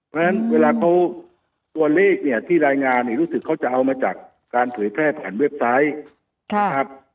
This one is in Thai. เพราะฉะนั้นเวลาเขาตัวเลขเนี่ยที่รายงานเนี่ยรู้สึกเขาจะเอามาจากการเผยแพร่ผ่านเว็บไซต์นะครับ